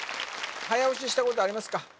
早押ししたことありますか？